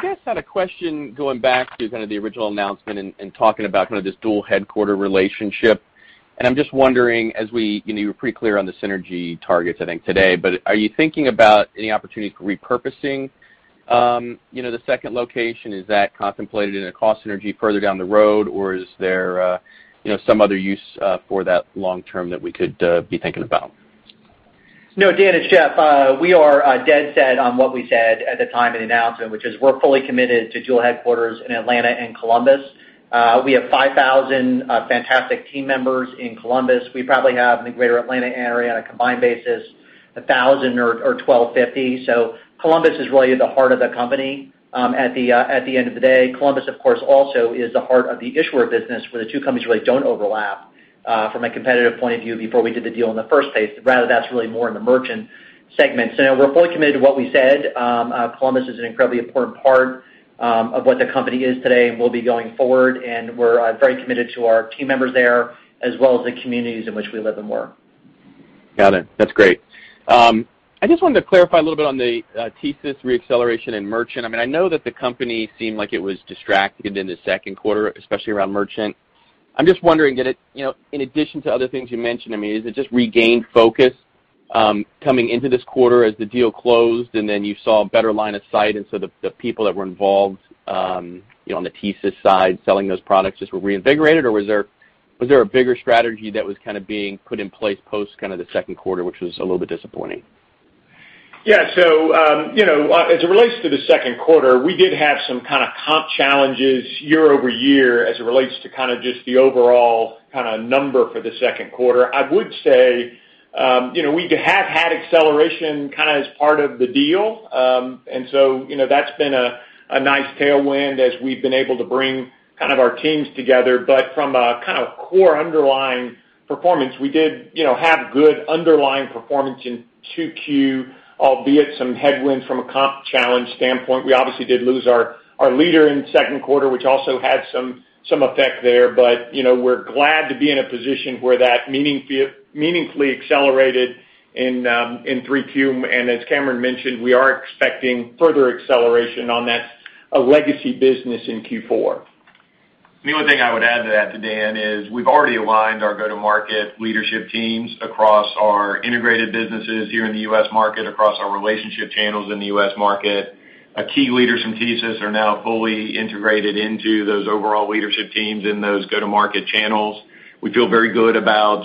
guess I had a question going back to kind of the original announcement and talking about kind of this dual headquarter relationship. I'm just wondering, you were pretty clear on the synergy targets, I think today, but are you thinking about any opportunities for repurposing the second location? Is that contemplated in a cost synergy further down the road, or is there some other use for that long term that we could be thinking about? No, Dan, it's Jeff. We are dead set on what we said at the time of the announcement, which is we're fully committed to dual headquarters in Atlanta and Columbus. We have 5,000 fantastic team members in Columbus. We probably have in the greater Atlanta area on a combined basis, 1,000 or 1,250. Columbus is really the heart of the company at the end of the day. Columbus, of course, also is the heart of the issuer business where the two companies really don't overlap from a competitive point of view before we did the deal in the first place. Rather, that's really more in the merchant segment. No, we're fully committed to what we said. Columbus is an incredibly important part of what the company is today and will be going forward, and we're very committed to our team members there, as well as the communities in which we live and work. Got it. That's great. I just wanted to clarify a little bit on the TSYS re-acceleration in merchant. I know that the company seemed like it was distracted in the second quarter, especially around merchant. I'm just wondering, in addition to other things you mentioned, is it just regained focus coming into this quarter as the deal closed and then you saw a better line of sight and so the people that were involved on the TSYS side selling those products just were reinvigorated, or was there a bigger strategy that was kind of being put in place post the second quarter, which was a little bit disappointing? As it relates to the second quarter, we did have some kind of comp challenges year over year as it relates to kind of just the overall number for the second quarter. I would say we have had acceleration kind of as part of the deal. That's been a nice tailwind as we've been able to bring our teams together. From a core underlying performance, we did have good underlying performance in 2Q, albeit some headwinds from a comp challenge standpoint. We obviously did lose our leader in the second quarter, which also had some effect there. We're glad to be in a position where that meaningfully accelerated in 3Q. As Cameron mentioned, we are expecting further acceleration on that legacy business in Q4. The only thing I would add to that, Dan, is we've already aligned our go-to-market leadership teams across our integrated businesses here in the U.S. market, across our relationship channels in the U.S. market. Key leaders from TSYS are now fully integrated into those overall leadership teams in those go-to-market channels. We feel very good about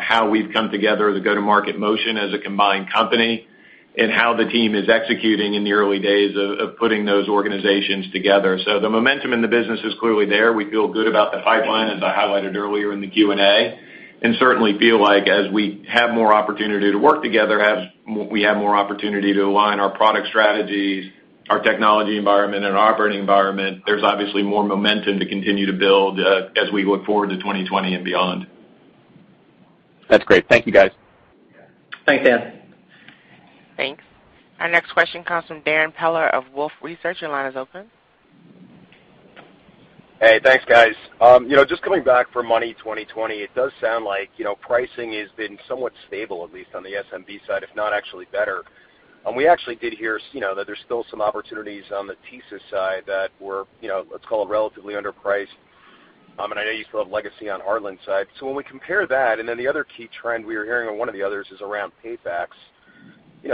how we've come together as a go-to-market motion as a combined company. In how the team is executing in the early days of putting those organizations together. The momentum in the business is clearly there. We feel good about the pipeline, as I highlighted earlier in the Q&A, and certainly feel like as we have more opportunity to work together, as we have more opportunity to align our product strategies, our technology environment and our operating environment, there's obviously more momentum to continue to build as we look forward to 2020 and beyond. That's great. Thank you guys. Thanks, Dan. Thanks. Our next question comes from Darrin Peller of Wolfe Research. Your line is open. Hey, thanks guys. Just coming back from Money20/20, it does sound like pricing has been somewhat stable, at least on the SMB side, if not actually better. We actually did hear that there's still some opportunities on the TSYS side that were, let's call it, relatively underpriced. I know you still have legacy on Darrin side. When we compare that, then the other key trend we were hearing on one of the others is around PayFacs.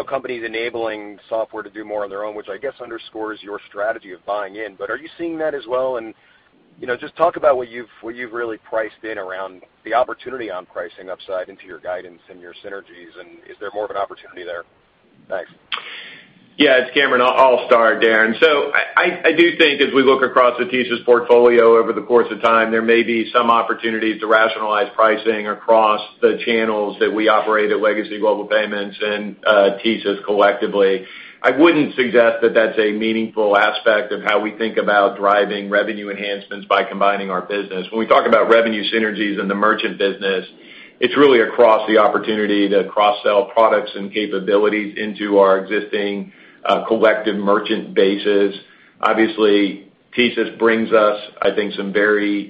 Companies enabling software to do more on their own, which I guess underscores your strategy of buying in. Are you seeing that as well? Just talk about what you've really priced in around the opportunity on pricing upside into your guidance and your synergies, is there more of an opportunity there? Thanks. It's Cameron. I'll start, Darrin. I do think as we look across the TSYS portfolio over the course of time, there may be some opportunities to rationalize pricing across the channels that we operate at Legacy Global Payments and TSYS collectively. I wouldn't suggest that that's a meaningful aspect of how we think about driving revenue enhancements by combining our business. When we talk about revenue synergies in the merchant business, it's really across the opportunity to cross-sell products and capabilities into our existing collective merchant bases. Obviously, TSYS brings us, I think, some very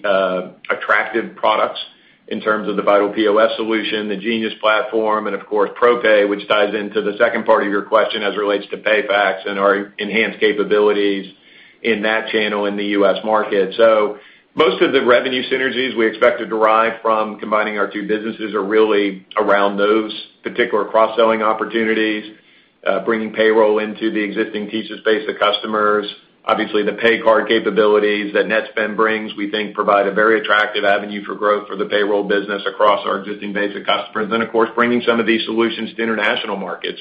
attractive products in terms of the Vital POS solution, the Genius platform, and of course, ProPay, which ties into the second part of your question as it relates to PayFacs and our enhanced capabilities in that channel in the U.S. market. Most of the revenue synergies we expect to derive from combining our two businesses are really around those particular cross-selling opportunities, bringing payroll into the existing TSYS base of customers. Obviously, the paycard capabilities that Netspend brings, we think provide a very attractive avenue for growth for the payroll business across our existing base of customers. Of course, bringing some of these solutions to international markets,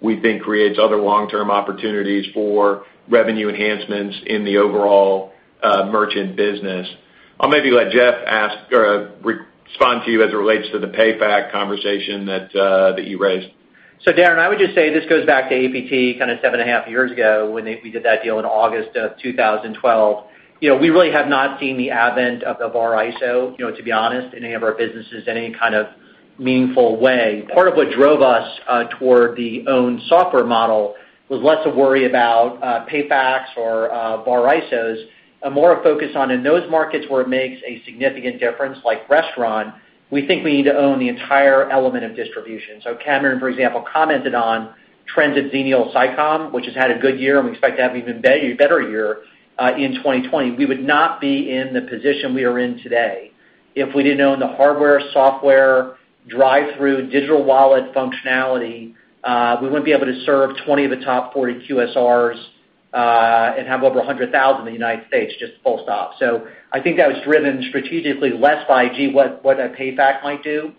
we think creates other long-term opportunities for revenue enhancements in the overall merchant business. I'll maybe let Jeff respond to you as it relates to the PayFac conversation that you raised. Darrin, I would just say this goes back to APT kind of seven and a half years ago when we did that deal in August of 2012. We really have not seen the advent of the payfac ISO, to be honest, in any of our businesses in any kind of meaningful way. Part of what drove us toward the owned software model was less a worry about PayFacs or payfac ISOs, and more a focus on in those markets where it makes a significant difference, like restaurant, we think we need to own the entire element of distribution. Cameron, for example, commented on trends at Xenial Sicom, which has had a good year, and we expect to have an even better year in 2020. We would not be in the position we are in today if we didn't own the hardware, software, drive-through digital wallet functionality. We wouldn't be able to serve 20 of the top 40 QSRs, and have over 100,000 in the U.S., just full stop. I think that was driven strategically less by, "Gee, what a PayFac might do,"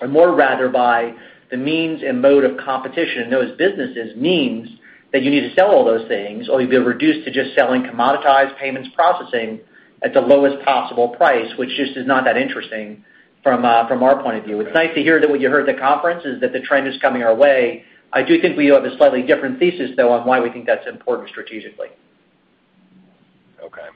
and more rather by the means and mode of competition in those businesses means that you need to sell all those things, or you'd be reduced to just selling commoditized payments processing at the lowest possible price, which just is not that interesting from our point of view. It's nice to hear that what you heard at the conference is that the trend is coming our way. I do think we have a slightly different thesis, though, on why we think that's important strategically. Okay.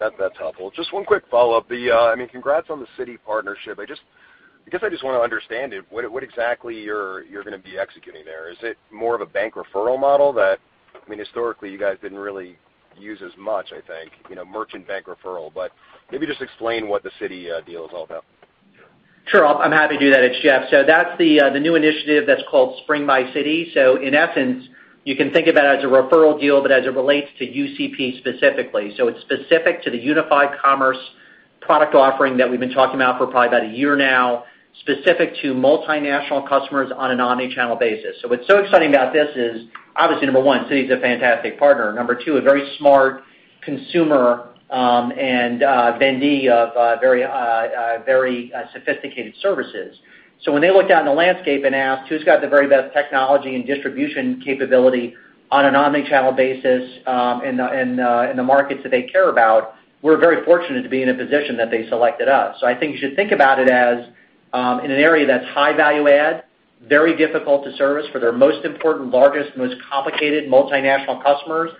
That's helpful. Just one quick follow-up. Congrats on the Citi partnership. I guess I just want to understand it, what exactly you're going to be executing there. Is it more of a bank referral model that, historically you guys didn't really use as much, I think, merchant bank referral. Maybe just explain what the Citi deal is all about. Sure, I'm happy to do that. It's Jeff. That's the new initiative that's called Spring by Citi. In essence, you can think of that as a referral deal, but as it relates to UCP specifically. It's specific to the unified commerce product offering that we've been talking about for probably about a year now, specific to multinational customers on an omni-channel basis. What's so exciting about this is, obviously, number one, Citi's a fantastic partner. Number two, a very smart consumer and vendee of very sophisticated services. When they looked out in the landscape and asked who's got the very best technology and distribution capability on an omni-channel basis in the markets that they care about, we're very fortunate to be in a position that they selected us. I think you should think about it as, in an area that's high value add, very difficult to service for their most important, largest, most complicated multinational customers,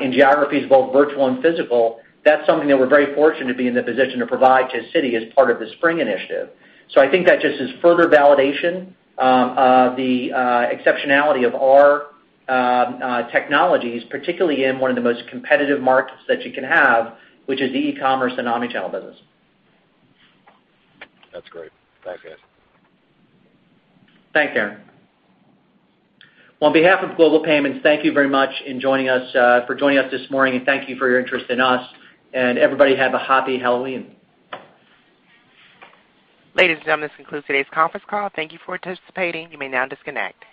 in geographies, both virtual and physical. That's something that we're very fortunate to be in the position to provide to Citi as part of the Spring Initiative. I think that just is further validation of the exceptionality of our technologies, particularly in one of the most competitive markets that you can have, which is the e-commerce and omni-channel business. That's great. Thanks, guys. Thanks, Darrin. Well, on behalf of Global Payments, thank you very much for joining us this morning, and thank you for your interest in us. Everybody have a happy Halloween. Ladies and gentlemen, this concludes today's conference call. Thank you for participating. You may now disconnect.